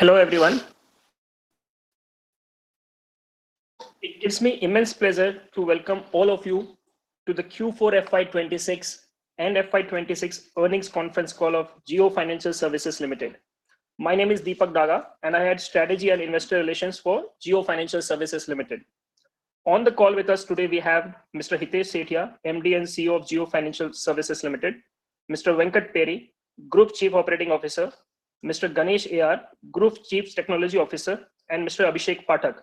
Hello everyone. It gives me immense pleasure to welcome all of you to the Q4 FY 2026 and FY 2026 earnings conference call of Jio Financial Services Limited. My name is Dipak Daga, and I head Strategy and Investor Relations for Jio Financial Services Limited. On the call with us today, we have Mr. Hitesh Sethia, MD and CEO of Jio Financial Services Limited, Mr. Venkata Peri, Group Chief Operating Officer, Mr. Ganesh AR, Group Chief Technology Officer, and Mr. Abhishek Pathak,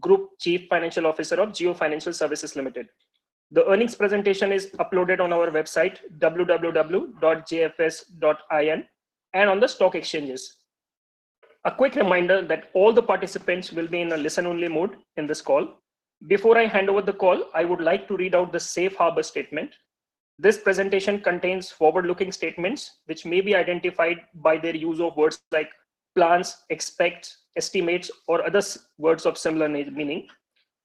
Group Chief Financial Officer of Jio Financial Services Limited. The earnings presentation is uploaded on our website, www.jfs.in, and on the stock exchanges. A quick reminder that all the participants will be in a listen-only mode in this call. Before I hand over the call, I would like to read out the Safe Harbor statement. This presentation contains forward-looking statements, which may be identified by their use of words like plans, expect, estimates, or other words of similar meaning.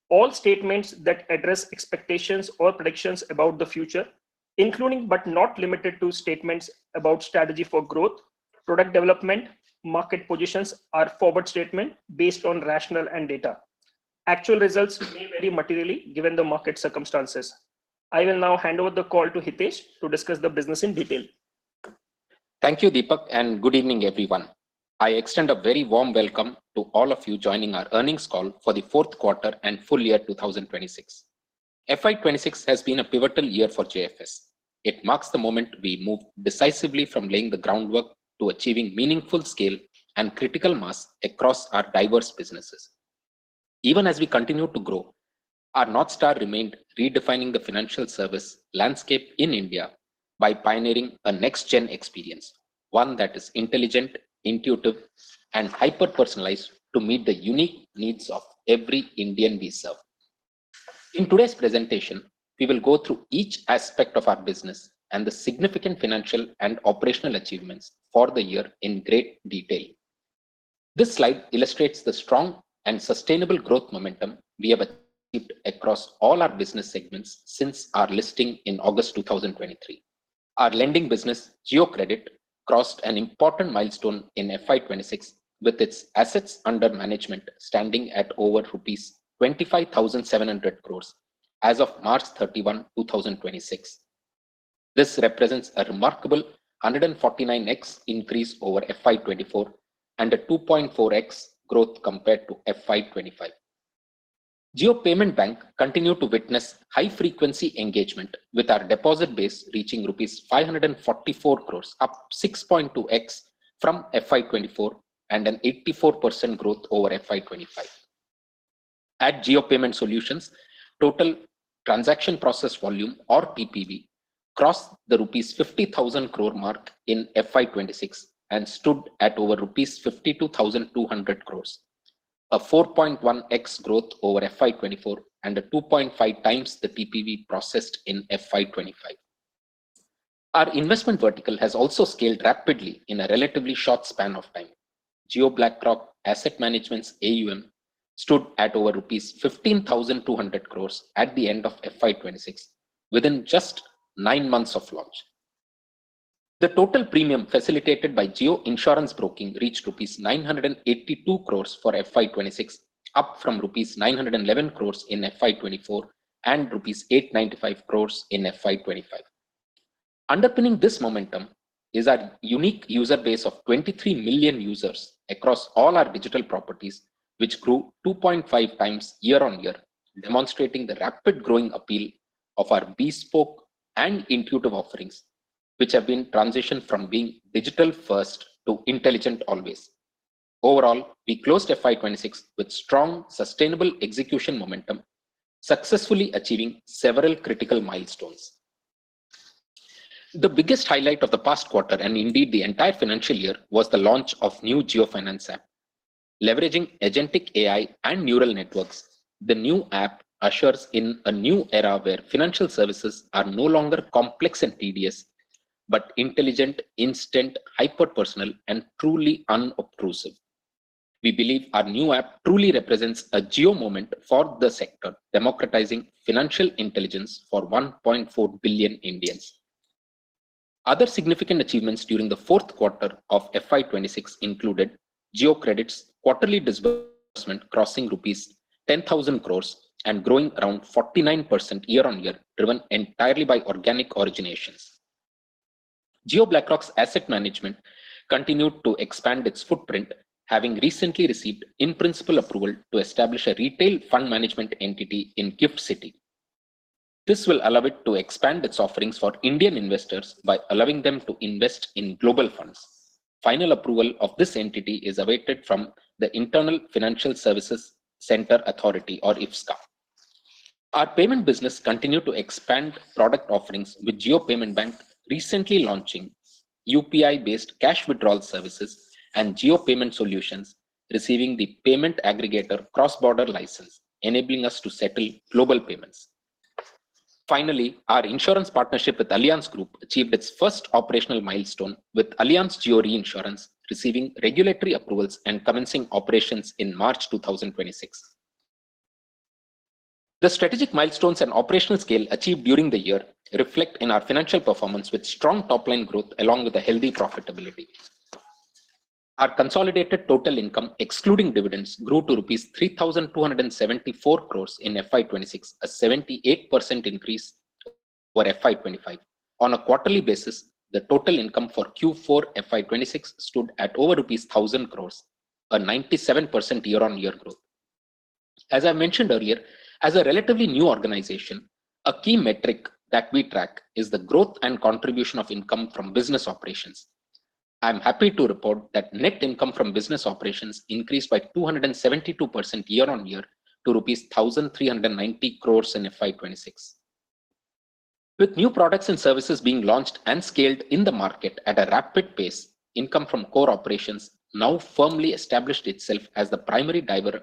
All statements that address expectations or predictions about the future, including but not limited to statements about strategy for growth, product development, market positions, are forward-looking statements based on rationale and data. Actual results may vary materially given the market circumstances. I will now hand over the call to Hitesh Sethia to discuss the business in detail. Thank you, Dipak, and good evening, everyone. I extend a very warm welcome to all of you joining our earnings call for the fourth quarter and full year 2026. FY 2026 has been a pivotal year for JFS. It marks the moment we move decisively from laying the groundwork to achieving meaningful scale and critical mass across our diverse businesses. Even as we continue to grow, our North Star remained redefining the financial service landscape in India by pioneering a next-gen experience, one that is intelligent, intuitive, and hyper-personalized to meet the unique needs of every Indian we serve. In today's presentation, we will go through each aspect of our business and the significant financial and operational achievements for the year in great detail. This slide illustrates the strong and sustainable growth momentum we have achieved across all our business segments since our listing in August 2023. Our lending business, Jio Credit, crossed an important milestone in FY 2026 with its assets under management standing at over rupees 25,700 crores as of March 31, 2026. This represents a remarkable 149x increase over FY 2024 and a 2.4x growth compared to FY 2025. Jio Payments Bank continued to witness high-frequency engagement with our deposit base reaching rupees 544 crores, up 6.2x from FY 2024 and an 84% growth over FY 2025. At Jio Payment Solutions, total payment volume or TPV crossed the rupees 50,000 crore mark in FY 2026 and stood at over rupees 52,200 crores, a 4.1x growth over FY 2024 and 2.5x the TPV processed in FY 2025. Our investment vertical has also scaled rapidly in a relatively short span of time. Jio BlackRock Asset Management's AUM stood at over rupees 15,200 crores at the end of FY 2026, within just nine months of launch. The total premium facilitated by Jio Insurance Broking reached rupees 982 crores for FY 2026, up from rupees 911 crores in FY 2024 and rupees 895 crores in FY 2025. Underpinning this momentum is our unique user base of 23 million users across all our digital properties, which grew 2.5x year-over-year, demonstrating the rapidly growing appeal of our bespoke and intuitive offerings, which have been transitioned from being digital-first to intelligent always. Overall, we closed FY 2026 with strong, sustainable execution momentum, successfully achieving several critical milestones. The biggest highlight of the past quarter, and indeed the entire financial year, was the launch of the new JioFinance app. Leveraging agentic AI and neural networks, the new app ushers in a new era where financial services are no longer complex and tedious, but intelligent, instant, hyper-personal, and truly unobtrusive. We believe our new app truly represents a Jio moment for the sector, democratizing financial intelligence for 1.4 billion Indians. Other significant achievements during the fourth quarter of FY 2026 included Jio Credit's quarterly disbursement crossing rupees 10,000 crores and growing around 49% year-over-year, driven entirely by organic originations. Jio BlackRock Asset Management continued to expand its footprint, having recently received in-principle approval to establish a retail fund management entity in GIFT City. This will allow it to expand its offerings for Indian investors by allowing them to invest in global funds. Final approval of this entity is awaited from the International Financial Services Centres Authority or IFSCA. Our payment business continued to expand product offerings, with Jio Payments Bank recently launching UPI-based cash withdrawal services and Jio Payment Solutions receiving the payment aggregator cross-border license, enabling us to settle global payments. Finally, our insurance partnership with Allianz Group achieved its first operational milestone, with Allianz Jio Reinsurance receiving regulatory approvals and commencing operations in March 2026. The strategic milestones and operational scale achieved during the year reflect in our financial performance with strong top-line growth, along with a healthy profitability. Our consolidated total income, excluding dividends, grew to rupees 3,274 crores in FY 2026, a 78% increase for FY 2025. On a quarterly basis, the total income for Q4 FY 2026 stood at over rupees 1,000 crores, a 97% year-on-year growth. As I mentioned earlier, as a relatively new organization, a key metric that we track is the growth and contribution of income from business operations. I'm happy to report that net income from business operations increased by 272% year-on-year to rupees 1,390 crores in FY 2026. With new products and services being launched and scaled in the market at a rapid pace, income from core operations now firmly established itself as the primary driver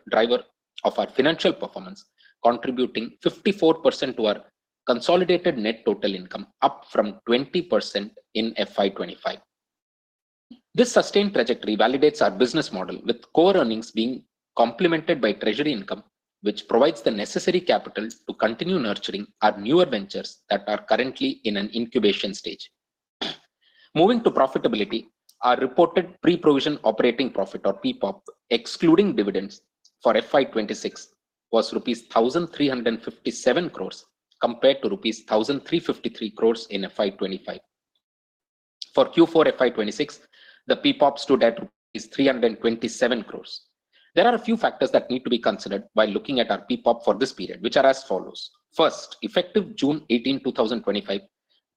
of our financial performance, contributing 54% to our consolidated net total income, up from 20% in FY 2025. This sustained trajectory validates our business model, with core earnings being complemented by treasury income, which provides the necessary capital to continue nurturing our newer ventures that are currently in an incubation stage. Moving to profitability, our reported pre-provision operating profit or PPOP, excluding dividends for FY 2026, was rupees 1,357 crores compared to rupees 1,353 crores in FY 2025. For Q4 FY 2026, the PPOP stood at 327 crores. There are a few factors that need to be considered by looking at our PPOP for this period, which are as follows. First, effective June 18, 2025,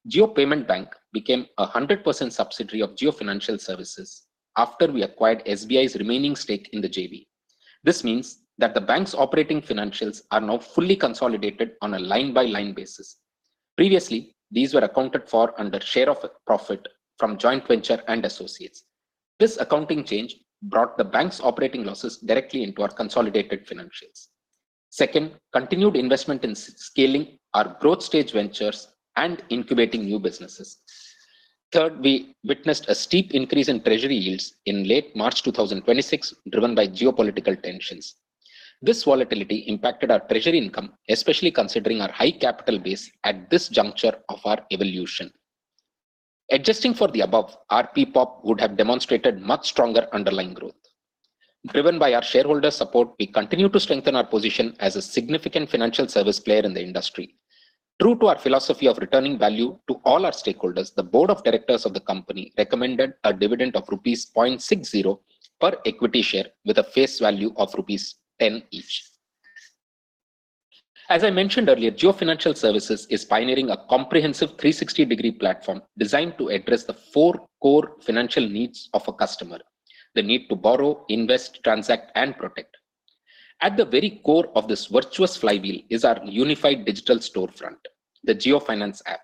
Jio Payments Bank became 100% subsidiary of Jio Financial Services after we acquired SBI's remaining stake in the JV. This means that the bank's operating financials are now fully consolidated on a line-by-line basis. Previously, these were accounted for under share of profit from joint venture and associates. This accounting change brought the bank's operating losses directly into our consolidated financials. Second, continued investment in scaling our growth stage ventures and incubating new businesses. Third, we witnessed a steep increase in treasury yields in late March 2026, driven by geopolitical tensions. This volatility impacted our treasury income, especially considering our high capital base at this juncture of our evolution. Adjusting for the above, our PPOP would have demonstrated much stronger underlying growth. Driven by our shareholder support, we continue to strengthen our position as a significant financial service player in the industry. True to our philosophy of returning value to all our stakeholders, the board of directors of the company recommended a dividend of 0.60 rupees per equity share with a face value of rupees 10 each. As I mentioned earlier, Jio Financial Services is pioneering a comprehensive 360-degree platform designed to address the four core financial needs of a customer. The need to borrow, invest, transact, and protect. At the very core of this virtuous flywheel is our unified digital storefront, the JioFinance app,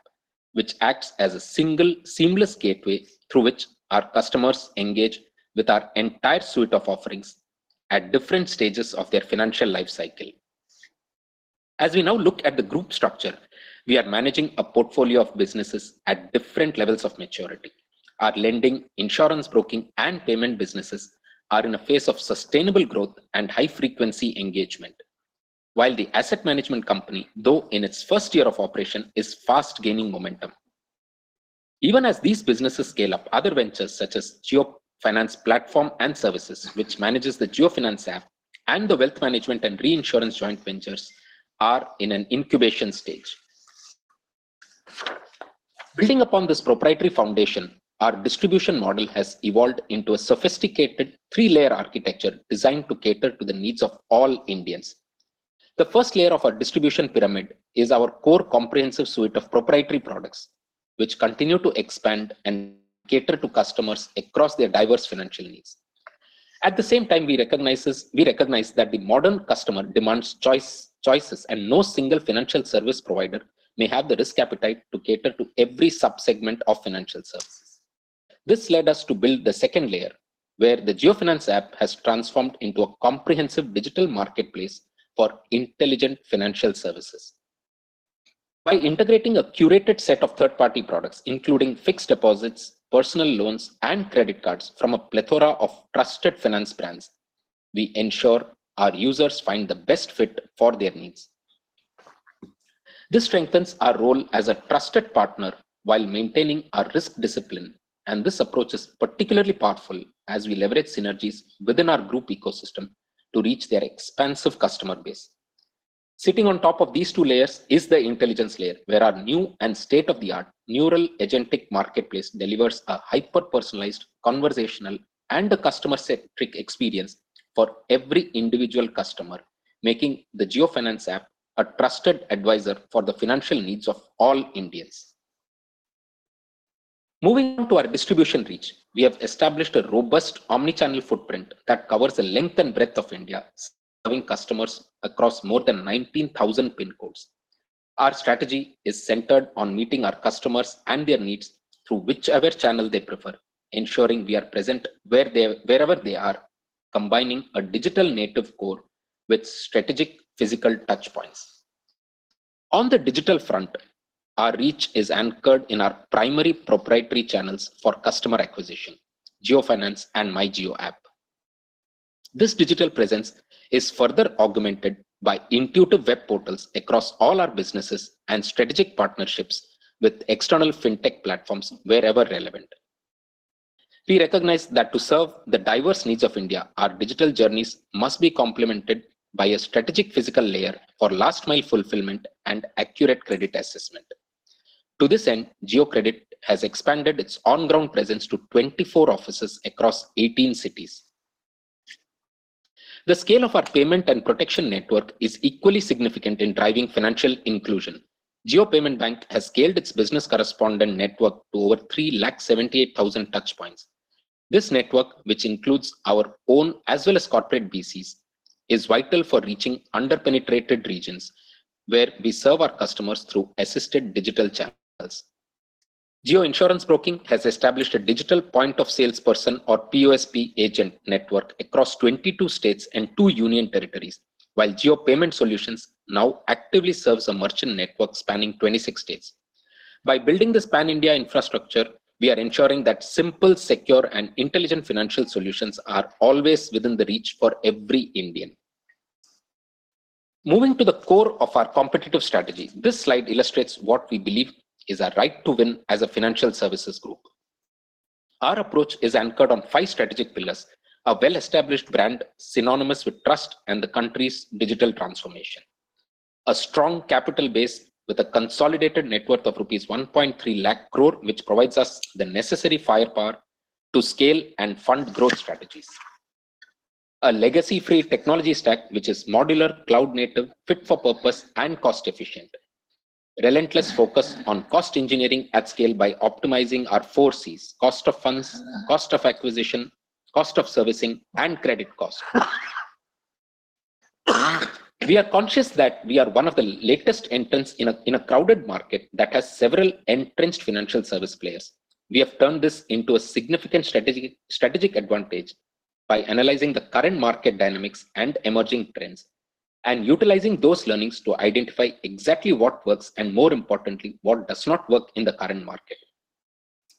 which acts as a single seamless gateway through which our customers engage with our entire suite of offerings at different stages of their financial life cycle. As we now look at the group structure, we are managing a portfolio of businesses at different levels of maturity. Our lending, insurance broking, and payment businesses are in a phase of sustainable growth and high frequency engagement. While the asset management company, though in its first year of operation, is fast gaining momentum. Even as these businesses scale up, other ventures such as Jio Finance Platform and Services Limited, which manages the JioFinance app, and the wealth management and reinsurance joint ventures, are in an incubation stage. Building upon this proprietary foundation, our distribution model has evolved into a sophisticated three-layer architecture designed to cater to the needs of all Indians. The first layer of our distribution pyramid is our core comprehensive suite of proprietary products, which continue to expand and cater to customers across their diverse financial needs. At the same time, we recognize that the modern customer demands choices, and no single financial service provider may have the risk appetite to cater to every subsegment of financial services. This led us to build the second layer, where the JioFinance app has transformed into a comprehensive digital marketplace for intelligent financial services. By integrating a curated set of third-party products, including fixed deposits, personal loans, and credit cards from a plethora of trusted finance brands, we ensure our users find the best fit for their needs. This strengthens our role as a trusted partner while maintaining our risk discipline, and this approach is particularly powerful as we leverage synergies within our group ecosystem to reach their expansive customer base. Sitting on top of these two layers is the intelligence layer, where our new and state-of-the-art neural agentic marketplace delivers a hyper-personalized, conversational, and a customer-centric experience for every individual customer, making the JioFinance app a trusted advisor for the financial needs of all Indians. Moving on to our distribution reach, we have established a robust omnichannel footprint that covers the length and breadth of India, serving customers across more than 19,000 PIN codes. Our strategy is centered on meeting our customers and their needs through whichever channel they prefer, ensuring we are present wherever they are, combining a digital native core with strategic physical touchpoints. On the digital front, our reach is anchored in our primary proprietary channels for customer acquisition, JioFinance and MyJio app. This digital presence is further augmented by intuitive web portals across all our businesses and strategic partnerships with external fintech platforms wherever relevant. We recognize that to serve the diverse needs of India, our digital journeys must be complemented by a strategic physical layer for last-mile fulfillment and accurate credit assessment. To this end, Jio Credit has expanded its on-ground presence to 24 offices across 18 cities. The scale of our payment and protection network is equally significant in driving financial inclusion. Jio Payments Bank has scaled its business correspondent network to over 378,000 touchpoints. This network, which includes our own as well as corporate BCs, is vital for reaching under-penetrated regions, where we serve our customers through assisted digital channels. Jio Insurance Broking has established a digital point of salesperson or POSP agent network across 22 states and two union territories. While Jio Payment Solutions now actively serves a merchant network spanning 26 states. By building this pan-India infrastructure, we are ensuring that simple, secure, and intelligent financial solutions are always within the reach for every Indian. Moving to the core of our competitive strategy, this slide illustrates what we believe is our right to win as a financial services group. Our approach is anchored on five strategic pillars, a well-established brand synonymous with trust and the country's digital transformation. A strong capital base with a consolidated net worth of rupees 1.3 lakh crore, which provides us the necessary firepower to scale and fund growth strategies. A legacy free technology stack, which is modular, cloud native, fit for purpose, and cost efficient. Relentless focus on cost engineering at scale by optimizing our 4 Cs, cost of funds, cost of acquisition, cost of servicing, and credit cost. We are conscious that we are one of the latest entrants in a crowded market that has several entrenched financial service players. We have turned this into a significant strategic advantage by analyzing the current market dynamics and emerging trends, and utilizing those learnings to identify exactly what works and, more importantly, what does not work in the current market.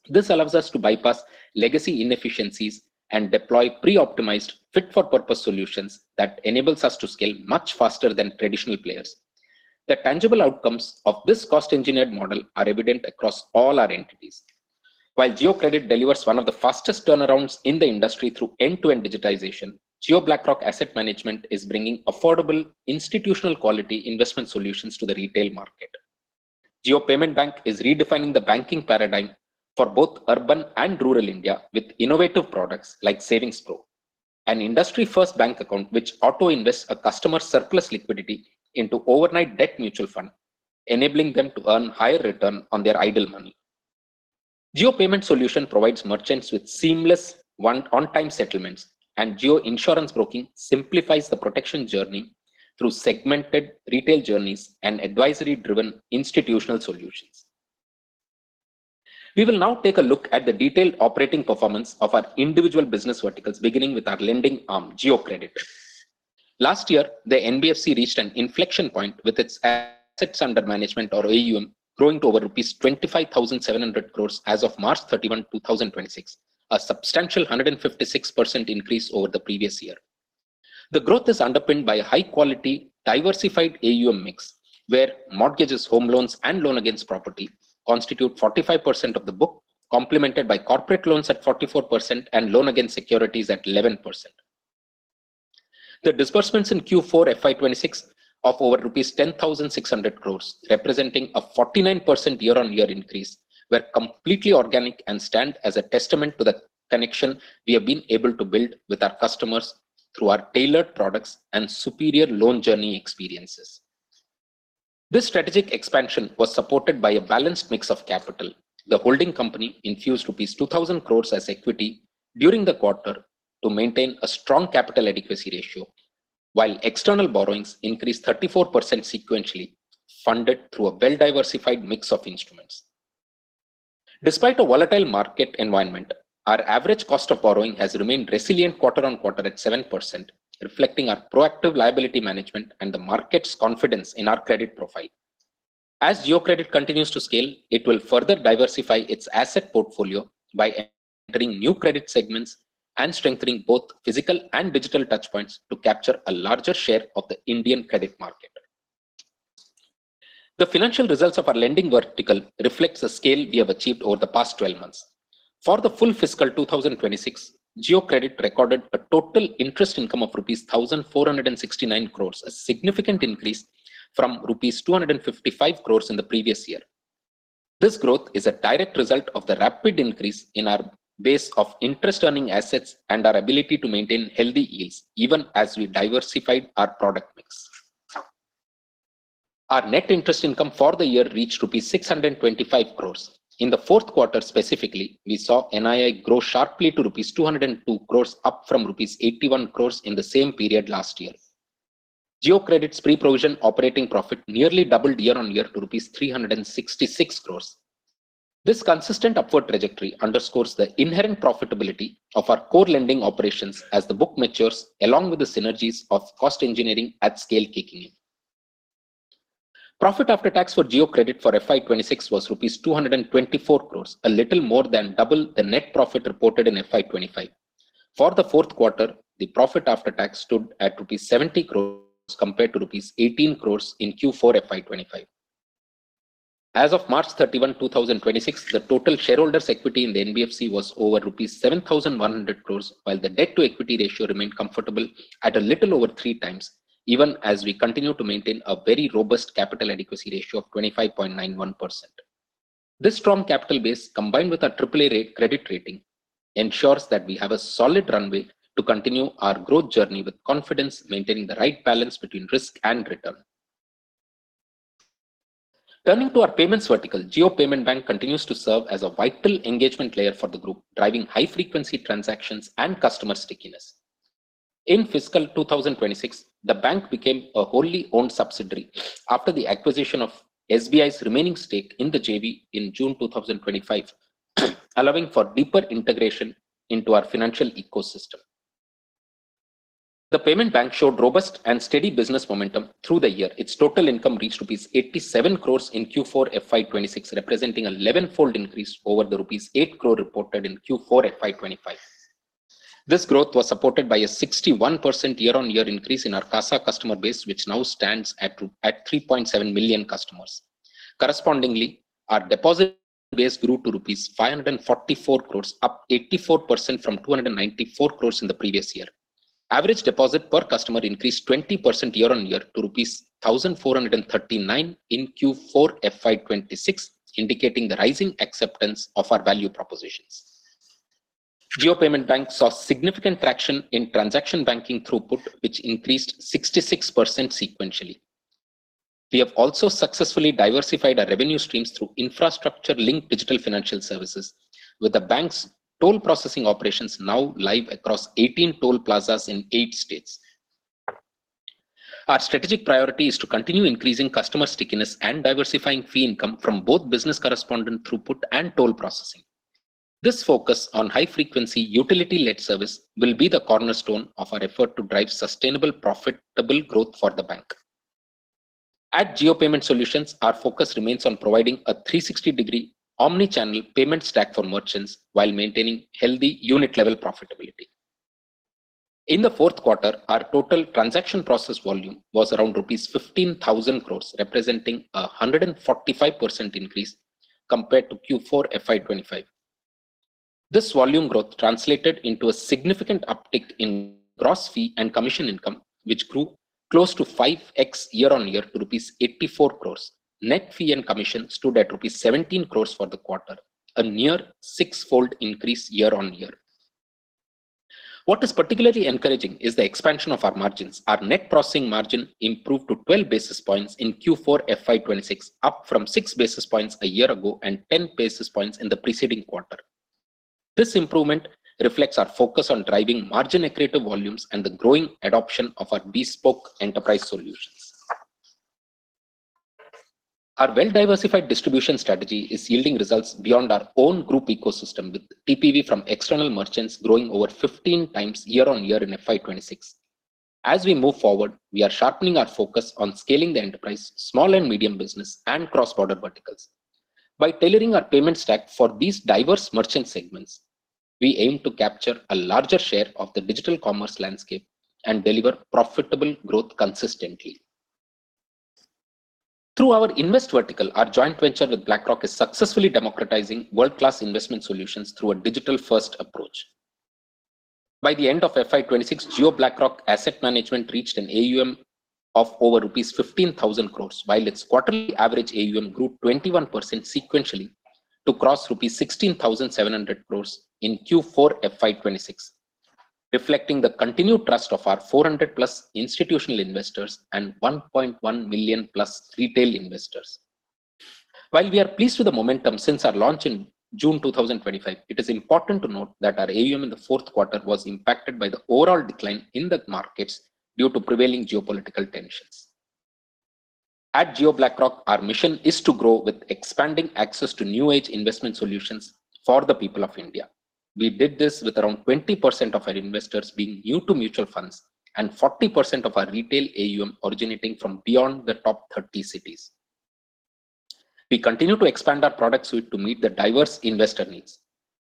This allows us to bypass legacy inefficiencies and deploy pre-optimized fit-for-purpose solutions that enables us to scale much faster than traditional players. The tangible outcomes of this cost-engineered model are evident across all our entities. While Jio Credit delivers one of the fastest turnarounds in the industry through end-to-end digitization, Jio BlackRock Asset Management is bringing affordable, institutional quality investment solutions to the retail market. Jio Payments Bank is redefining the banking paradigm for both urban and rural India with innovative products like Savings Pro, an industry-first bank account which auto-invests a customer surplus liquidity into overnight debt mutual fund, enabling them to earn higher return on their idle money. Jio Payment Solutions provides merchants with seamless one-on-time settlements, and Jio Insurance Broking simplifies the protection journey through segmented retail journeys and advisory-driven institutional solutions. We will now take a look at the detailed operating performance of our individual business verticals, beginning with our lending arm, Jio Credit. Last year, the NBFC reached an inflection point with its assets under management or AUM growing to over rupees 25,700 crores as of March 31, 2026, a substantial 156% increase over the previous year. The growth is underpinned by a high quality, diversified AUM mix, where mortgages, home loans, and loan against property constitute 45% of the book, complemented by corporate loans at 44% and loan against securities at 11%. The disbursements in Q4 FY 2026 of over rupees 10,600 crores, representing a 49% year-on-year increase, were completely organic and stand as a testament to the connection we have been able to build with our customers through our tailored products and superior loan journey experiences. This strategic expansion was supported by a balanced mix of capital. The holding company infused rupees 2,000 crores as equity during the quarter to maintain a strong capital adequacy ratio, while external borrowings increased 34% sequentially, funded through a well diversified mix of instruments. Despite a volatile market environment, our average cost of borrowing has remained resilient quarter-over-quarter at 7%, reflecting our proactive liability management and the market's confidence in our credit profile. As Jio Credit continues to scale, it will further diversify its asset portfolio by entering new credit segments and strengthening both physical and digital touchpoints to capture a larger share of the Indian credit market. The financial results of our lending vertical reflects the scale we have achieved over the past 12 months. For the full fiscal 2026, Jio Credit recorded a total interest income of rupees 1,469 crores, a significant increase from rupees 255 crores in the previous year. This growth is a direct result of the rapid increase in our base of interest earning assets and our ability to maintain healthy yields, even as we diversified our product mix. Our net interest income for the year reached rupees 625 crores. In the fourth quarter, specifically, we saw NII grow sharply to rupees 202 crores up from rupees 81 crores in the same period last year. Jio Credit's pre-provision operating profit nearly doubled year-on-year to rupees 366 crores. This consistent upward trajectory underscores the inherent profitability of our core lending operations as the book matures, along with the synergies of cost engineering at scale kicking in. Profit after tax for Jio Credit for FY 2026 was rupees 224 crores, a little more than double the net profit reported in FY 2025. For the fourth quarter, the profit after tax stood at rupees 70 crores as compared to rupees 18 crores in Q4 FY 2025. As of March 31, 2026, the total shareholders' equity in the NBFC was over rupees 7,100 crores, while the debt-to-equity ratio remained comfortable at a little over three times, even as we continue to maintain a very robust capital adequacy ratio of 25.91%. This strong capital base, combined with our AAA-rate credit rating, ensures that we have a solid runway to continue our growth journey with confidence, maintaining the right balance between risk and return. Turning to our payments vertical, Jio Payments Bank continues to serve as a vital engagement layer for the group, driving high-frequency transactions and customer stickiness. In fiscal 2026, the bank became a wholly-owned subsidiary after the acquisition of SBI's remaining stake in the JV in June 2025, allowing for deeper integration into our financial ecosystem. The payment bank showed robust and steady business momentum through the year. Its total income reached rupees 87 crores in Q4 FY 2026, representing an 11-fold increase over the rupees 8 crore reported in Q4 FY 2025. This growth was supported by a 61% year-on-year increase in our CASA customer base, which now stands at 3.7 million customers. Correspondingly, our deposit base grew to rupees 544 crores, up 84% from 294 crores in the previous year. Average deposit per customer increased 20% year-on-year to rupees 1,439 in Q4 FY 2026, indicating the rising acceptance of our value propositions. Jio Payments Bank saw significant traction in transaction banking throughput, which increased 66% sequentially. We have also successfully diversified our revenue streams through infrastructure-linked digital financial services, with the bank's toll processing operations now live across 18 toll plazas in eight states. Our strategic priority is to continue increasing customer stickiness and diversifying fee income from both business correspondent throughput and toll processing. This focus on high-frequency, utility-led service will be the cornerstone of our effort to drive sustainable, profitable growth for the bank. At Jio Payment Solutions, our focus remains on providing a 360-degree omnichannel payment stack for merchants while maintaining healthy unit-level profitability. In the fourth quarter, our total transaction processing volume was around rupees 15,000 crores, representing 145% increase compared to Q4 FY 2025. This volume growth translated into a significant uptick in gross fee and commission income, which grew close to 5x year-on-year to rupees 84 crores. Net fee and commission stood at rupees 17 crores for the quarter, a near six-fold increase year-on-year. What is particularly encouraging is the expansion of our margins. Our net processing margin improved to 12 basis points in Q4 FY 2026, up from 6 basis points a year ago and 10 basis points in the preceding quarter. This improvement reflects our focus on driving margin-accretive volumes and the growing adoption of our bespoke enterprise solutions. Our well-diversified distribution strategy is yielding results beyond our own group ecosystem, with TPV from external merchants growing over 15x year-on-year in FY 2026. As we move forward, we are sharpening our focus on scaling the enterprise, small and medium business, and cross-border verticals. By tailoring our payment stack for these diverse merchant segments, we aim to capture a larger share of the digital commerce landscape and deliver profitable growth consistently. Through our invest vertical, our joint venture with BlackRock is successfully democratizing world-class investment solutions through a digital-first approach. By the end of FY 2026, Jio BlackRock Asset Management reached an AUM of over rupees 15,000 crores, while its quarterly average AUM grew 21% sequentially to cross rupees 16,700 crores in Q4 FY 2026, reflecting the continued trust of our 400+ institutional investors and 1.1 million+ retail investors. While we are pleased with the momentum since our launch in June 2025, it is important to note that our AUM in the fourth quarter was impacted by the overall decline in the markets due to prevailing geopolitical tensions. At Jio BlackRock, our mission is to grow with expanding access to new age investment solutions for the people of India. We did this with around 20% of our investors being new to mutual funds and 40% of our retail AUM originating from beyond the top 30 cities. We continue to expand our product suite to meet the diverse investor needs.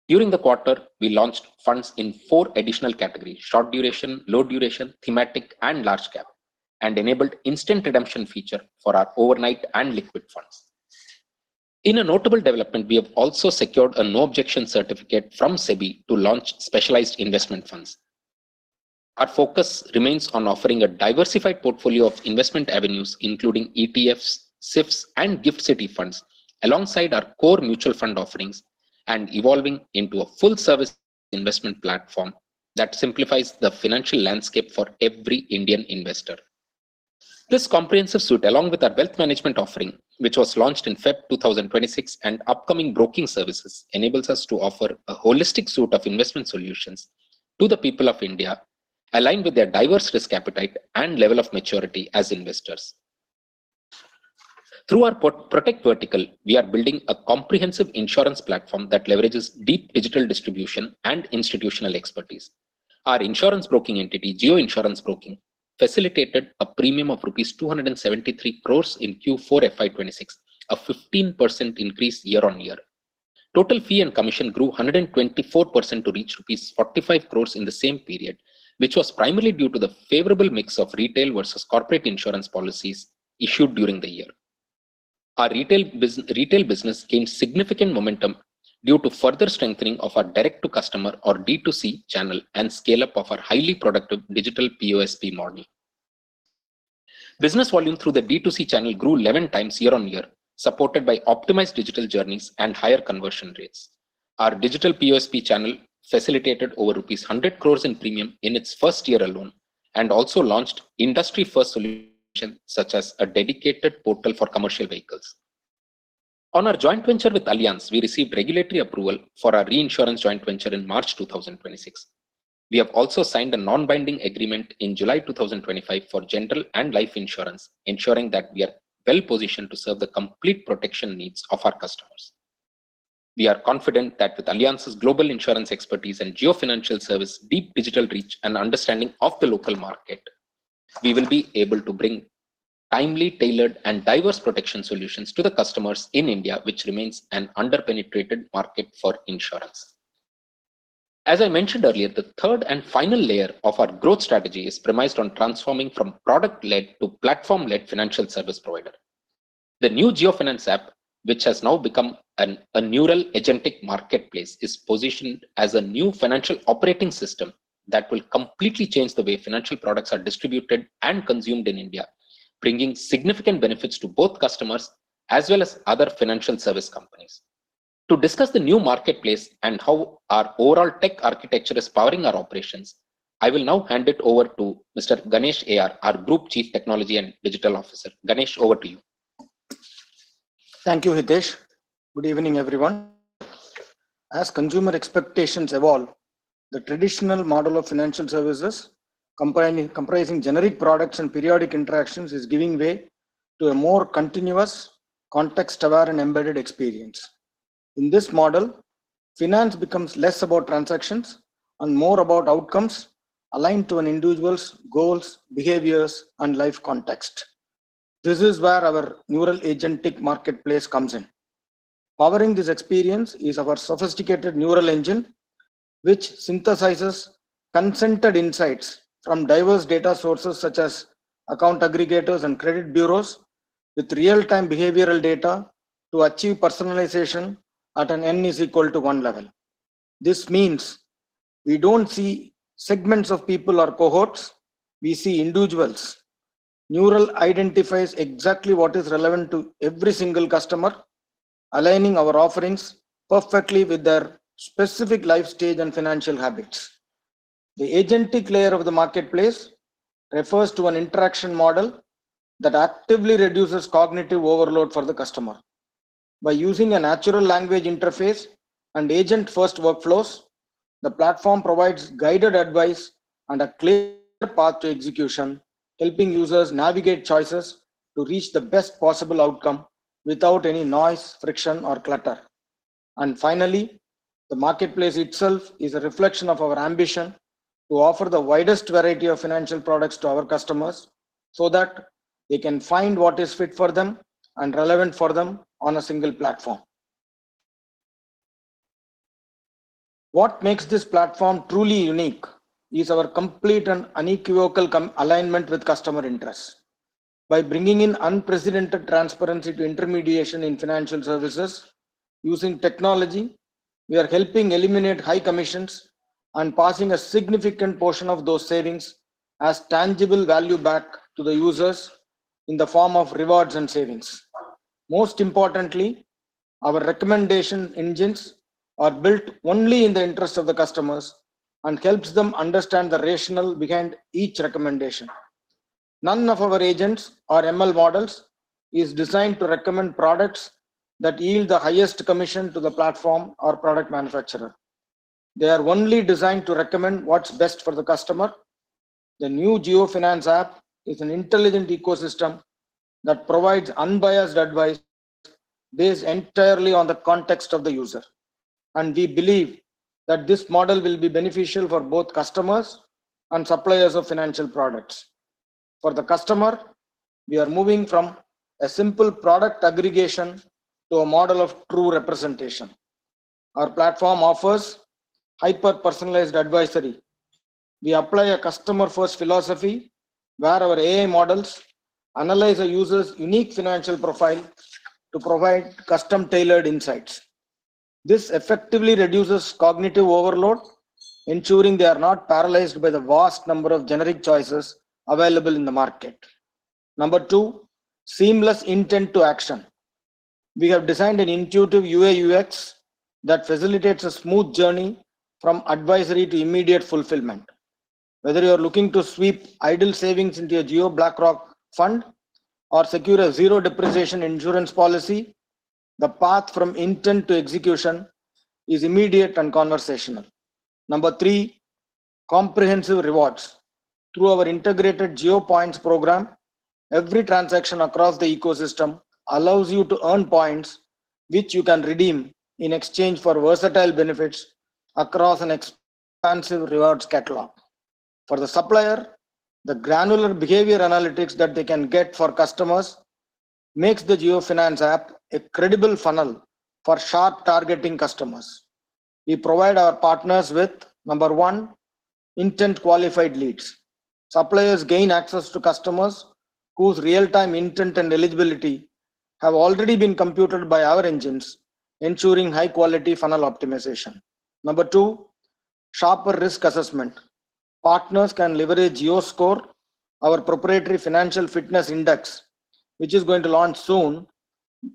During the quarter, we launched funds in four additional categories: short duration, low duration, thematic, and large cap, and enabled instant redemption feature for our overnight and liquid funds. In a notable development, we have also secured a no objection certificate from SEBI to launch specialized investment funds. Our focus remains on offering a diversified portfolio of investment avenues, including ETFs, SIFs, and GIFT City funds, alongside our core mutual fund offerings, and evolving into a full-service investment platform that simplifies the financial landscape for every Indian investor. This comprehensive suite, along with our wealth management offering, which was launched in February 2026, and upcoming broking services, enables us to offer a holistic suite of investment solutions to the people of India. Aligned with their diverse risk appetite and level of maturity as investors. Through our Protect vertical, we are building a comprehensive insurance platform that leverages deep digital distribution and institutional expertise. Our insurance broking entity, Jio Insurance Broking, facilitated a premium of rupees 273 crore in Q4 FY 2026, a 15% increase year-over-year. Total fee and commission grew 124% to reach rupees 45 crore in the same period, which was primarily due to the favorable mix of retail versus corporate insurance policies issued during the year. Our retail business gained significant momentum due to further strengthening of our direct-to-customer, or D2C, channel and scale-up of our highly productive digital PoSP model. Business volume through the D2C channel grew 11x year-over-year, supported by optimized digital journeys and higher conversion rates. Our digital PoSP channel facilitated over rupees 100 crore in premium in its first year alone, and also launched industry-first solutions such as a dedicated portal for commercial vehicles. On our joint venture with Allianz, we received regulatory approval for our reinsurance joint venture in March 2026. We have also signed a non-binding agreement in July 2025 for general and life insurance, ensuring that we are well-positioned to serve the complete protection needs of our customers. We are confident that with Allianz's global insurance expertise and Jio Financial Services' deep digital reach and understanding of the local market, we will be able to bring timely, tailored, and diverse protection solutions to the customers in India, which remains an under-penetrated market for insurance. As I mentioned earlier, the third and final layer of our growth strategy is premised on transforming from product-led to platform-led financial service provider. The new JioFinance app, which has now become a neural agentic marketplace, is positioned as a new financial operating system that will completely change the way financial products are distributed and consumed in India, bringing significant benefits to both customers as well as other financial service companies. To discuss the new marketplace and how our overall tech architecture is powering our operations, I will now hand it over to Mr. Ganesh AR, our Group Chief Technology and Digital Officer. Ganesh, over to you. Thank you, Hitesh. Good evening, everyone. As consumer expectations evolve, the traditional model of financial services comprising generic products and periodic interactions is giving way to a more continuous, context-aware, and embedded experience. In this model, finance becomes less about transactions and more about outcomes aligned to an individual's goals, behaviors, and life context. This is where our neural agentic marketplace comes in. Powering this experience is our sophisticated neural engine, which synthesizes consented insights from diverse data sources such as account aggregators and credit bureaus with real-time behavioral data to achieve personalization at an N=1 level. This means we don't see segments of people or cohorts, we see individuals. Neural identifies exactly what is relevant to every single customer, aligning our offerings perfectly with their specific life stage and financial habits. The agentic layer of the marketplace refers to an interaction model that actively reduces cognitive overload for the customer. By using a natural language interface and agent-first workflows, the platform provides guided advice and a clear path to execution, helping users navigate choices to reach the best possible outcome without any noise, friction, or clutter. Finally, the marketplace itself is a reflection of our ambition to offer the widest variety of financial products to our customers so that they can find what is fit for them and relevant for them on a single platform. What makes this platform truly unique is our complete and unequivocal alignment with customer interests. By bringing in unprecedented transparency to intermediation in financial services using technology, we are helping eliminate high commissions and passing a significant portion of those savings as tangible value back to the users in the form of rewards and savings. Most importantly, our recommendation engines are built only in the interest of the customers and helps them understand the rationale behind each recommendation. None of our agents or ML models is designed to recommend products that yield the highest commission to the platform or product manufacturer. They are only designed to recommend what's best for the customer. The new JioFinance app is an intelligent ecosystem that provides unbiased advice based entirely on the context of the user. We believe that this model will be beneficial for both customers and suppliers of financial products. For the customer, we are moving from a simple product aggregation to a model of true representation. Our platform offers hyper-personalized advisory. We apply a customer-first philosophy where our AI models analyze a user's unique financial profile to provide custom-tailored insights. This effectively reduces cognitive overload, ensuring they are not paralyzed by the vast number of generic choices available in the market. Number two: seamless intent to action. We have designed an intuitive UI/UX that facilitates a smooth journey from advisory to immediate fulfillment. Whether you are looking to sweep idle savings into a Jio BlackRock fund or secure a zero depreciation insurance policy, the path from intent to execution is immediate and conversational. Number three: comprehensive rewards. Through our integrated JioPoints program, every transaction across the ecosystem allows you to earn points, which you can redeem in exchange for versatile benefits across an expansive rewards catalog. For the supplier, the granular behavior analytics that they can get for customers makes the JioFinance app a credible funnel for sharp targeting customers. We provide our partners with, number one, intent qualified leads. Suppliers gain access to customers whose real-time intent and eligibility have already been computed by our engines, ensuring high-quality funnel optimization. Number two, sharper risk assessment. Partners can leverage JioScore, our proprietary financial fitness index, which is going to launch soon,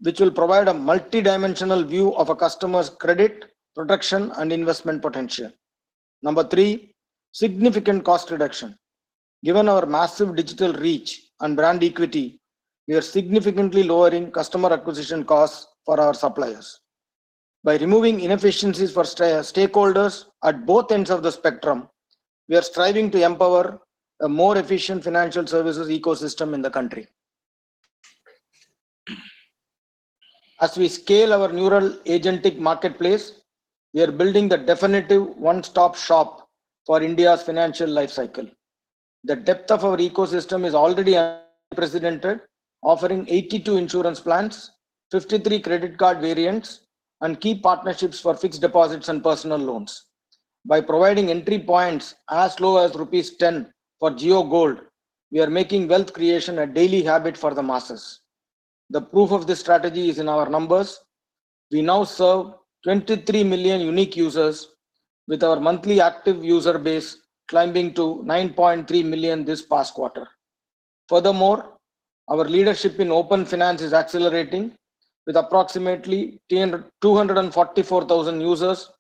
which will provide a multidimensional view of a customer's credit, protection, and investment potential. Number three, significant cost reduction. Given our massive digital reach and brand equity, we are significantly lowering customer acquisition costs for our suppliers. By removing inefficiencies for stakeholders at both ends of the spectrum, we are striving to empower a more efficient financial services ecosystem in the country. As we scale our neural agentic marketplace, we are building the definitive one-stop shop for India's financial life cycle. The depth of our ecosystem is already unprecedented, offering 82 insurance plans, 53 credit card variants, and key partnerships for fixed deposits and personal loans. By providing entry points as low as rupees 10 for JioGold, we are making wealth creation a daily habit for the masses. The proof of this strategy is in our numbers. We now serve 23 million unique users with our monthly active user base climbing to 9.3 million this past quarter. Furthermore, our leadership in open finance is accelerating, with approximately 244,000 users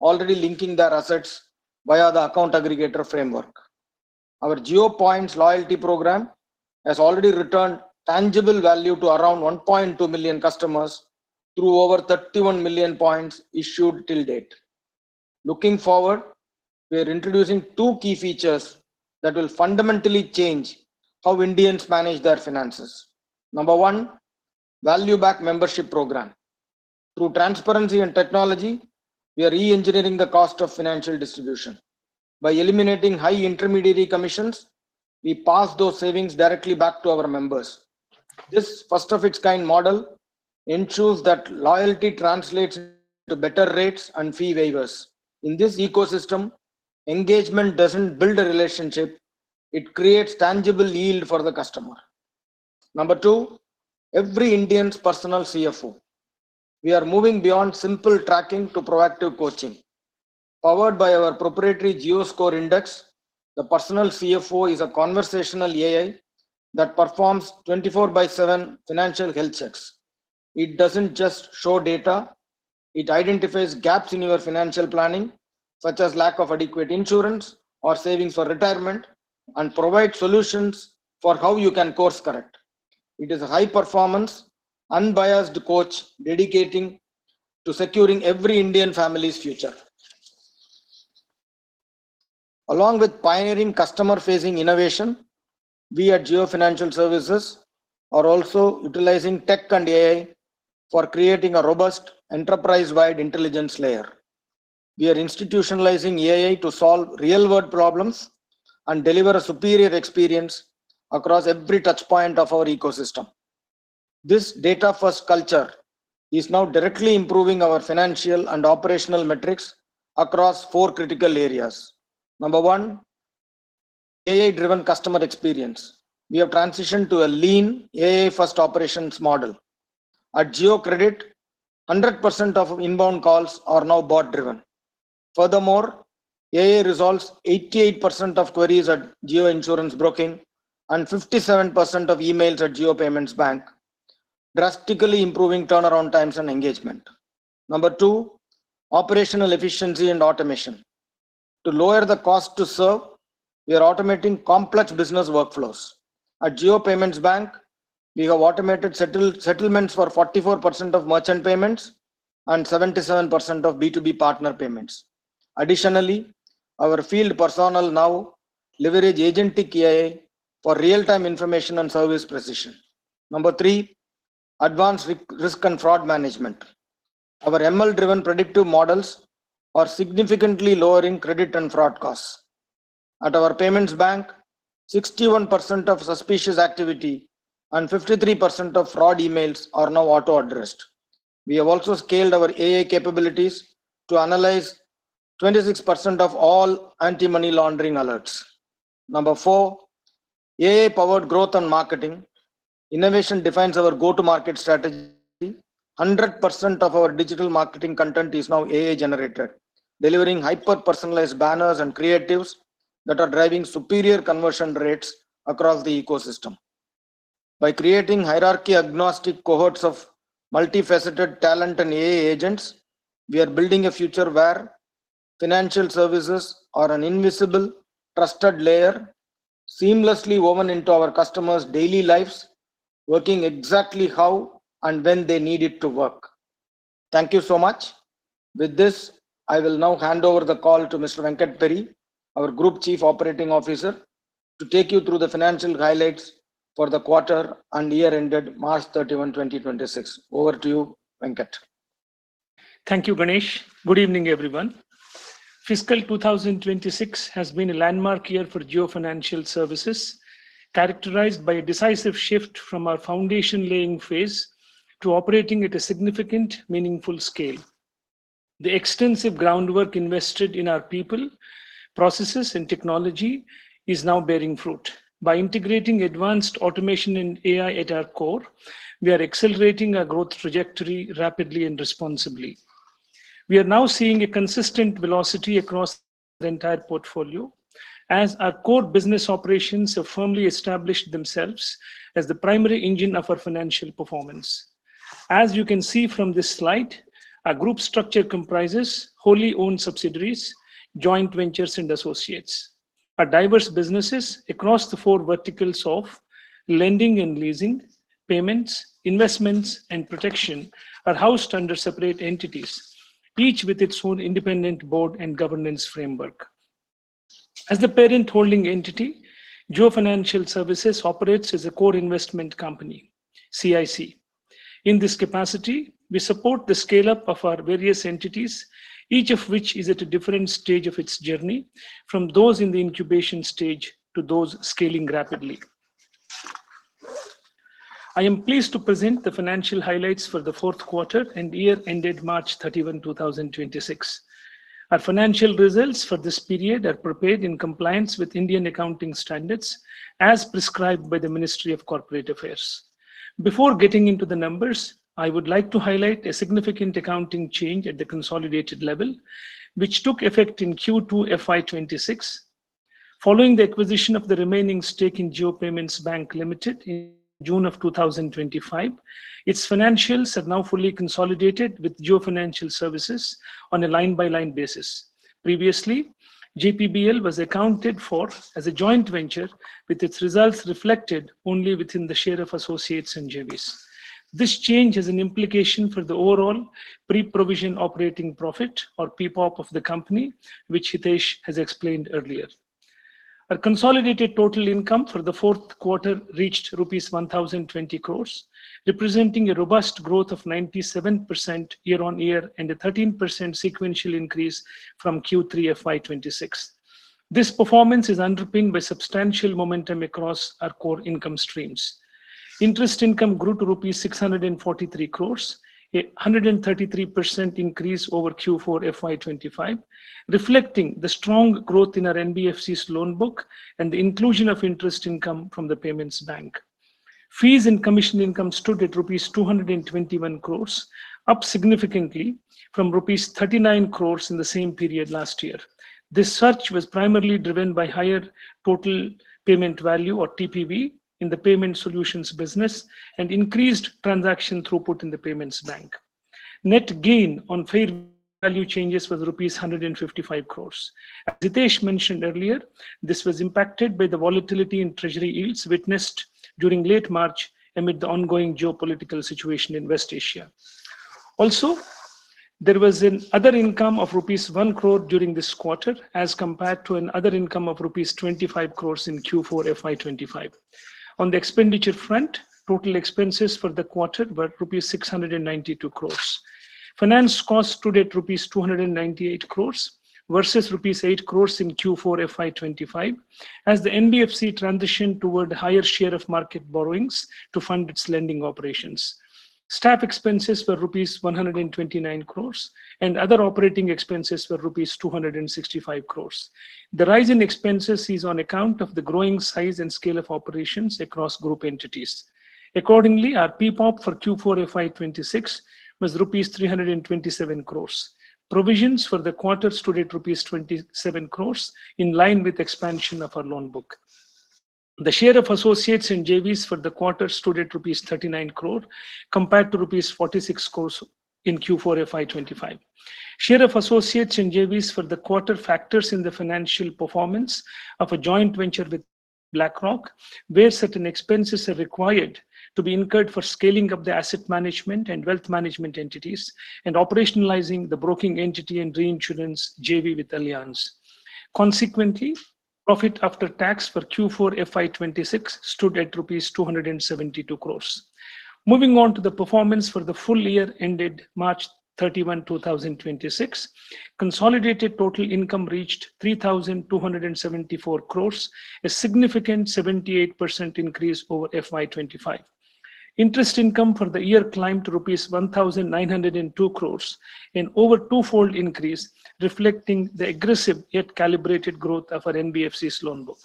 already linking their assets via the account aggregator framework. Our JioPoints loyalty program has already returned tangible value to around 1.2 million customers through over 31 million points issued till date. Looking forward, we are introducing two key features that will fundamentally change how Indians manage their finances. Number one, value-back membership program. Through transparency and technology, we are re-engineering the cost of financial distribution. By eliminating high intermediary commissions, we pass those savings directly back to our members. This first-of-its-kind model ensures that loyalty translates into better rates and fee waivers. In this ecosystem, engagement doesn't build a relationship. It creates tangible yield for the customer. Number two, every Indian's personal CFO. We are moving beyond simple tracking to proactive coaching. Powered by our proprietary JioScore index, the personal CFO is a conversational AI that performs 24/7 financial health checks. It doesn't just show data. It identifies gaps in your financial planning, such as lack of adequate insurance or savings for retirement, and provide solutions for how you can course correct. It is a high performance, unbiased coach dedicating to securing every Indian family's future. Along with pioneering customer-facing innovation, we at Jio Financial Services are also utilizing tech and AI for creating a robust enterprise-wide intelligence layer. We are institutionalizing AI to solve real-world problems and deliver a superior experience across every touchpoint of our ecosystem. This data-first culture is now directly improving our financial and operational metrics across four critical areas. Number one, AI-driven customer experience. We have transitioned to a lean, AI-first operations model. At JioCredit, 100% of inbound calls are now bot-driven. Furthermore, AI resolves 88% of queries at Jio Insurance Broking and 57% of emails at Jio Payments Bank, drastically improving turnaround times and engagement. Number two, operational efficiency and automation. To lower the cost to serve, we are automating complex business workflows. At Jio Payments Bank, we have automated settlements for 44% of merchant payments and 77% of B2B partner payments. Additionally, our field personnel now leverage agentic AI for real-time information and service precision. Number three, advanced risk and fraud management. Our ML-driven predictive models are significantly lowering credit and fraud costs. At our payments bank, 61% of suspicious activity and 53% of fraud emails are now auto-addressed. We have also scaled our AI capabilities to analyze 26% of all anti-money laundering alerts. Number 4: AI-powered growth and marketing. Innovation defines our go-to-market strategy. 100% of our digital marketing content is now AI generated, delivering hyper-personalized banners and creatives that are driving superior conversion rates across the ecosystem. By creating hierarchy-agnostic cohorts of multifaceted talent and AI agents, we are building a future where financial services are an invisible, trusted layer seamlessly woven into our customers' daily lives, working exactly how and when they need it to work. Thank you so much. With this, I will now hand over the call to Mr. Venkata Peri, our Group Chief Operating Officer, to take you through the financial highlights for the quarter and year ended March 31, 2026. Over to you, Venkata. Thank you, Ganesh. Good evening, everyone. Fiscal 2026 has been a landmark year for Jio Financial Services, characterized by a decisive shift from our foundation-laying phase to operating at a significant, meaningful scale. The extensive groundwork invested in our people, processes, and technology is now bearing fruit. By integrating advanced automation and AI at our core, we are accelerating our growth trajectory rapidly and responsibly. We are now seeing a consistent velocity across the entire portfolio as our core business operations have firmly established themselves as the primary engine of our financial performance. As you can see from this slide, our group structure comprises wholly owned subsidiaries, joint ventures, and associates. Our diverse businesses across the four verticals of lending and leasing, payments, investments, and protection are housed under separate entities, each with its own independent board and governance framework. As the parent holding entity, Jio Financial Services operates as a core investment company, CIC. In this capacity, we support the scale-up of our various entities, each of which is at a different stage of its journey, from those in the incubation stage to those scaling rapidly. I am pleased to present the financial highlights for the fourth quarter and year ended March 31, 2026. Our financial results for this period are prepared in compliance with Indian Accounting Standards as prescribed by the Ministry of Corporate Affairs. Before getting into the numbers, I would like to highlight a significant accounting change at the consolidated level, which took effect in Q2 FY 2026. Following the acquisition of the remaining stake in Jio Payments Bank Limited in June of 2025, its financials have now fully consolidated with Jio Financial Services on a line-by-line basis. Previously, JPBL was accounted for as a joint venture with its results reflected only within the share of associates and JVs. This change has an implication for the overall pre-provision operating profit, or PPOP, of the company, which Hitesh has explained earlier. Our consolidated total income for the fourth quarter reached rupees 1,020 crores, representing a robust growth of 97% year-on-year and a 13% sequential increase from Q3 FY 2026. This performance is underpinned by substantial momentum across our core income streams. Interest income grew to rupees 643 crores, a 133% increase over Q4 FY 2025, reflecting the strong growth in our NBFC's loan book and the inclusion of interest income from the payments bank. Fees and commission income stood at rupees 221 crores, up significantly from rupees 39 crores in the same period last year. This surge was primarily driven by higher total payment value, or TPV, in the payment solutions business and increased transaction throughput in the payments bank. Net gain on fair value changes was rupees 155 crore. As Hitesh mentioned earlier, this was impacted by the volatility in treasury yields witnessed during late March amid the ongoing geopolitical situation in West Asia. Also, there was other income of rupees 1 crore during this quarter as compared to other income of rupees 25 crore in Q4 FY 2025. On the expenditure front, total expenses for the quarter were rupees 692 crore. Finance costs stood at rupees 298 crore versus rupees 8 crore in Q4 FY 2025 as the NBFC transitioned toward higher share of market borrowings to fund its lending operations. Staff expenses were rupees 129 crores, and other operating expenses were rupees 265 crores. The rise in expenses is on account of the growing size and scale of operations across group entities. Accordingly, our PPOP for Q4 FY 2026 was rupees 327 crores. Provisions for the quarter stood at rupees 27 crores, in line with expansion of our loan book. The share of associates in JVs for the quarter stood at rupees 39 crore compared to rupees 46 crores in Q4 FY 2025. Share of associates in JVs for the quarter factors in the financial performance of a joint venture with BlackRock, where certain expenses are required to be incurred for scaling up the asset management and wealth management entities and operationalizing the broking entity and reinsurance JV with Allianz. Consequently, profit after tax for Q4 FY 2026 stood at rupees 272 crores. Moving on to the performance for the full year ended March 31, 2026. Consolidated total income reached 3,274 crores, a significant 78% increase over FY 2025. Interest income for the year climbed to rupees 1,902 crores, an over two-fold increase reflecting the aggressive yet calibrated growth of our NBFC's loan book.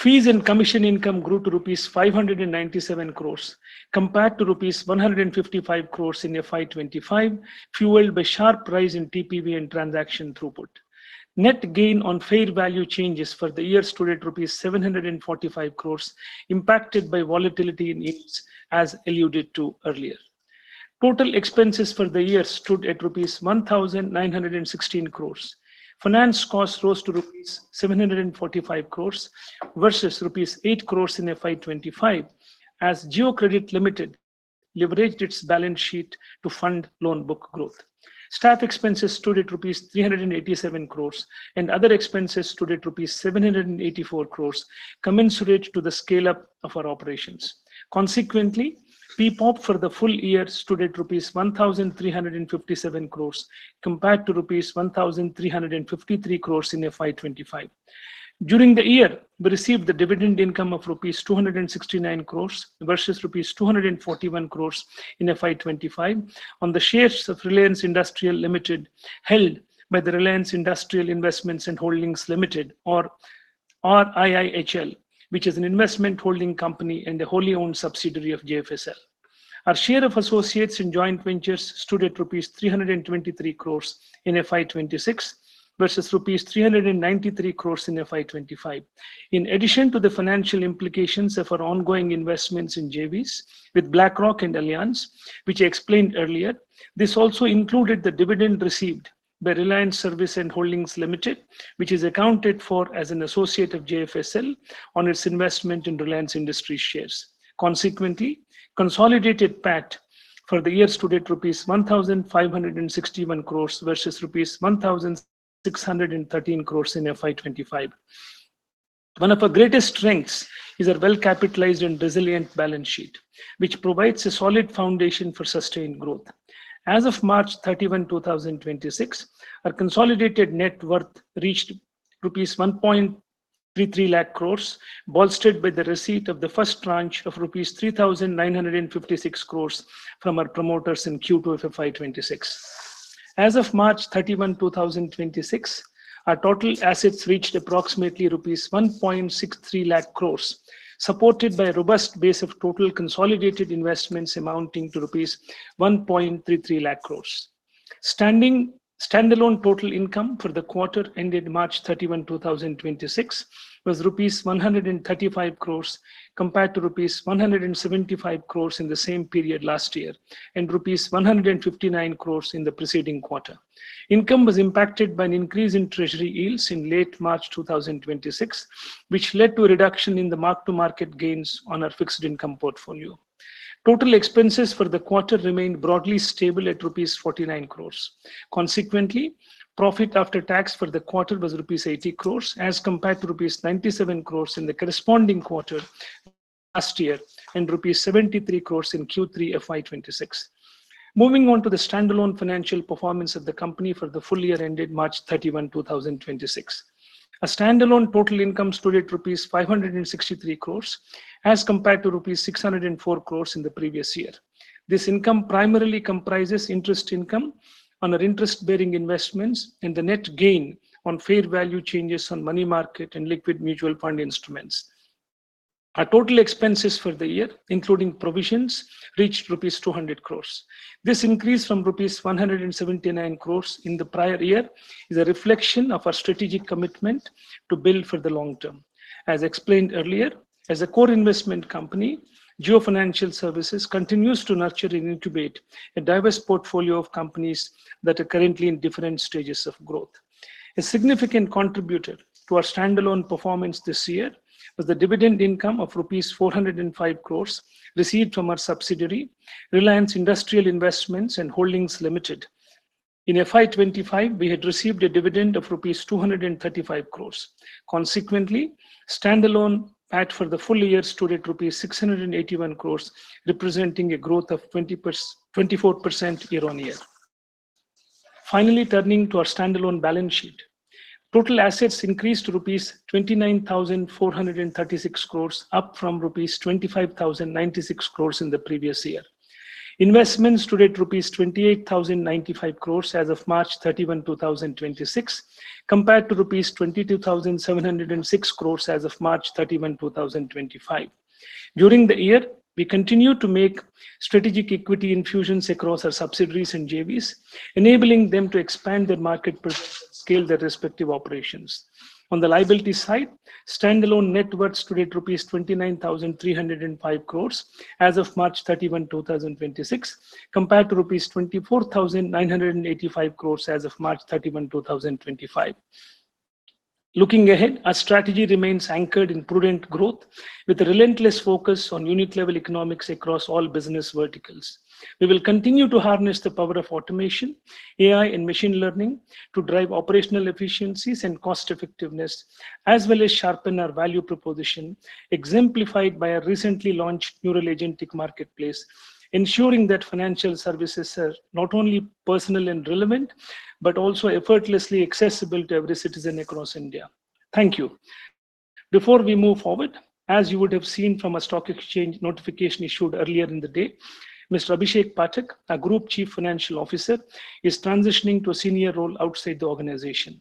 Fees and commission income grew to rupees 597 crores compared to rupees 155 crores in FY 2025, fueled by sharp rise in TPV and transaction throughput. Net gain on fair value changes for the year stood at rupees 745 crores impacted by volatility in yields, as alluded to earlier. Total expenses for the year stood at rupees 1,916 crores. Finance costs rose to rupees 745 crore versus rupees 8 crore in FY 2025, as Jio Credit Limited leveraged its balance sheet to fund loan book growth. Staff expenses stood at rupees 387 crore and other expenses stood at rupees 784 crore, commensurate to the scale-up of our operations. Consequently, PPOP for the full year stood at rupees 1,357 crore compared to rupees 1,353 crore in FY 2025. During the year, we received the dividend income of rupees 269 crore versus rupees 241 crore in FY 2025 on the shares of Reliance Industries Limited held by the Reliance Industrial Investments and Holdings Limited, or RIHL, which is an investment holding company and a wholly owned subsidiary of JFSL. Our share of associates in joint ventures stood at rupees 323 crore in FY 2026 versus rupees 393 crore in FY 2025. In addition to the financial implications of our ongoing investments in JVs with BlackRock and Allianz, which I explained earlier, this also included the dividend received by Reliance Industrial Investments and Holdings Limited, which is accounted for as an associate of JFSL on its investment in Reliance Industries shares. Consequently, consolidated PAT for the year stood at rupees 1,561 crores versus rupees 1,613 crores in FY 2025. One of our greatest strengths is our well-capitalized and resilient balance sheet, which provides a solid foundation for sustained growth. As of March 31, 2026, our consolidated net worth reached rupees 1.33 lakh crores, bolstered by the receipt of the first tranche of rupees 3,956 crores from our promoters in Q2 of FY 2026. As of March 31, 2026, our total assets reached approximately rupees 1.63 lakh crores, supported by a robust base of total consolidated investments amounting to rupees 1.33 lakh crores. Standalone total income for the quarter ended March 31, 2026, was rupees 135 crores compared to rupees 175 crores in the same period last year and rupees 159 crores in the preceding quarter. Income was impacted by an increase in treasury yields in late March 2026, which led to a reduction in the mark-to-market gains on our fixed income portfolio. Total expenses for the quarter remained broadly stable at rupees 49 crores. Consequently, profit after tax for the quarter was rupees 80 crores as compared to rupees 97 crores in the corresponding quarter last year and rupees 73 crores in Q3 FY 2026. Moving on to the standalone financial performance of the company for the full year ended March 31, 2026. Our standalone total income stood at rupees 563 crores as compared to rupees 604 crores in the previous year. This income primarily comprises interest income on our interest-bearing investments and the net gain on fair value changes on money market and liquid mutual fund instruments. Our total expenses for the year, including provisions, reached rupees 200 crores. This increase from rupees 179 crores in the prior year is a reflection of our strategic commitment to build for the long term. As explained earlier, as a core investment company, Jio Financial Services continues to nurture and incubate a diverse portfolio of companies that are currently in different stages of growth. A significant contributor to our stand-alone performance this year was the dividend income of rupees 405 crores received from our subsidiary, Reliance Industrial Investments and Holdings Limited. In FY 2025, we had received a dividend of rupees 235 crores. Consequently, stand-alone PAT for the full year stood at rupees 681 crores, representing a growth of 24% year-over-year. Finally, turning to our stand-alone balance sheet. Total assets increased to rupees 29,436 crores, up from rupees 25,096 crores in the previous year. Investments stood at rupees 28,095 crores as of March 31, 2026, compared to rupees 22,706 crores as of March 31, 2025. During the year, we continued to make strategic equity infusions across our subsidiaries and JVs, enabling them to expand their market and scale their respective operations. On the liability side, stand-alone net worth stood at rupees 29,305 crores as of March 31, 2026, compared to rupees 24,985 crores as of March 31, 2025. Looking ahead, our strategy remains anchored in prudent growth with a relentless focus on unit-level economics across all business verticals. We will continue to harness the power of automation, AI, and machine learning to drive operational efficiencies and cost effectiveness, as well as sharpen our value proposition, exemplified by our recently launched neural agentic marketplace, ensuring that financial services are not only personal and relevant, but also effortlessly accessible to every citizen across India. Thank you. Before we move forward, as you would have seen from our stock exchange notification issued earlier in the day, Mr. Abhishek Pathak, our Group Chief Financial Officer, is transitioning to a senior role outside the organization.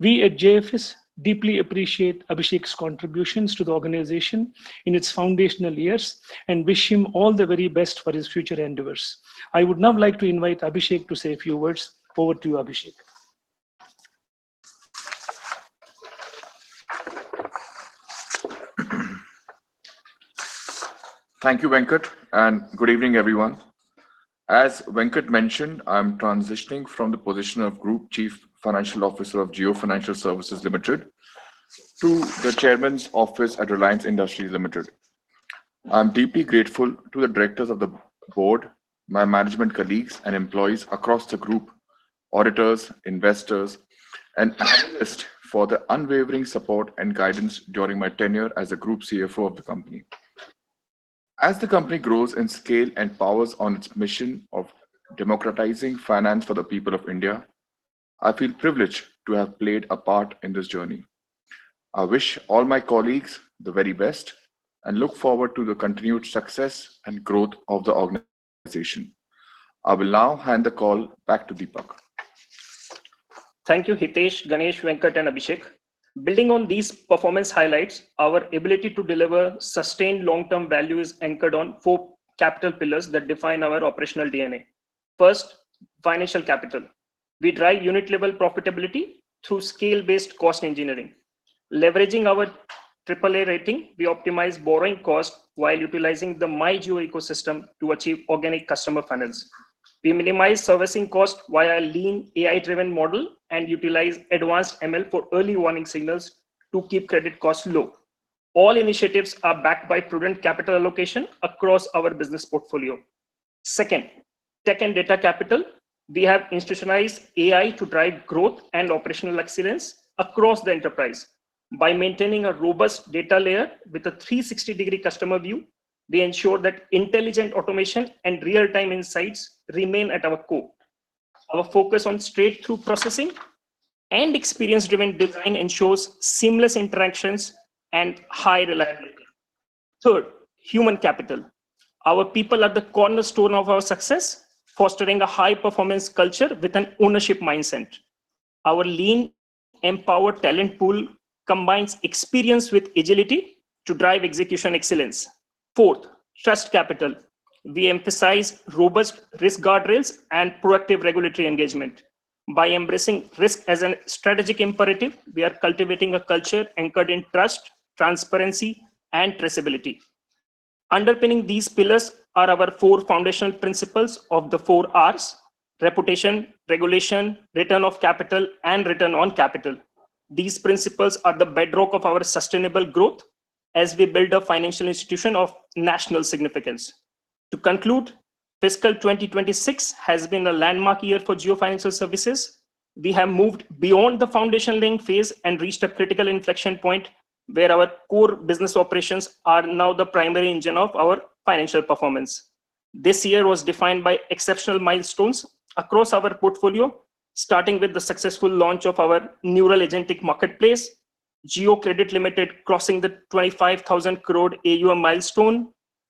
We at JFS deeply appreciate Abhishek's contributions to the organization in its foundational years and wish him all the very best for his future endeavors. I would now like to invite Abhishek to say a few words. Over to you, Abhishek Pathak. Thank you, Venkata, and good evening, everyone. As Venkata mentioned, I'm transitioning from the position of Group Chief Financial Officer of Jio Financial Services Limited to the Chairman's Office at Reliance Industries Limited. I'm deeply grateful to the directors of the board, my management colleagues and employees across the group, auditors, investors, and analysts for their unwavering support and guidance during my tenure as a Group CFO of the company. As the company grows in scale and powers on its mission of democratizing finance for the people of India, I feel privileged to have played a part in this journey. I wish all my colleagues the very best and look forward to the continued success and growth of the organization. I will now hand the call back to Dipak Daga. Thank you, Hitesh, Ganesh, Venkata, and Abhishek. Building on these performance highlights, our ability to deliver sustained long-term value is anchored on four capital pillars that define our operational DNA. First, financial capital. We drive unit-level profitability through scale-based cost engineering. Leveraging our AAA rating, we optimize borrowing costs while utilizing the MyJio ecosystem to achieve organic customer finance. We minimize servicing costs via a lean, AI-driven model and utilize advanced ML for early warning signals to keep credit costs low. All initiatives are backed by prudent capital allocation across our business portfolio. Second, tech and data capital. We have institutionalized AI to drive growth and operational excellence across the enterprise. By maintaining a robust data layer with a 360-degree customer view, we ensure that intelligent automation and real-time insights remain at our core. Our focus on straight-through processing and experience-driven design ensures seamless interactions and high reliability. Third, human capital. Our people are the cornerstone of our success, fostering a high-performance culture with an ownership mindset. Our lean, empowered talent pool combines experience with agility to drive execution excellence. Fourth, trust capital. We emphasize robust risk guardrails and proactive regulatory engagement. By embracing risk as a strategic imperative, we are cultivating a culture anchored in trust, transparency, and traceability. Underpinning these pillars are our four foundational principles of the four Rs: reputation, regulation, return of capital, and return on capital. These principles are the bedrock of our sustainable growth as we build a financial institution of national significance. To conclude, fiscal 2026 has been a landmark year for Jio Financial Services. We have moved beyond the foundation-laying phase and reached a critical inflection point where our core business operations are now the primary engine of our financial performance. This year was defined by exceptional milestones across our portfolio, starting with the successful launch of our new agentic marketplace, Jio Credit Limited crossing the 25,000 crore AUM milestone,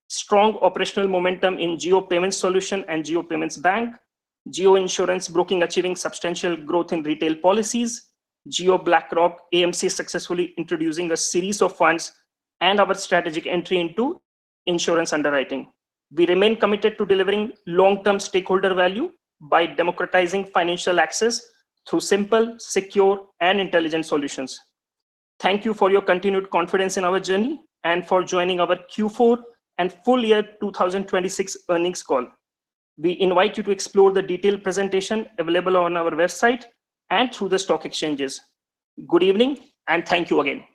strong operational momentum in Jio Payment Solutions and Jio Payments Bank, Jio Insurance Broking achieving substantial growth in retail policies, Jio BlackRock AMC successfully introducing a series of funds, and our strategic entry into insurance underwriting. We remain committed to delivering long-term stakeholder value by democratizing financial access through simple, secure, and intelligent solutions. Thank you for your continued confidence in our journey and for joining our Q4 and full year 2026 earnings call. We invite you to explore the detailed presentation available on our website and through the stock exchanges. Good evening and thank you again.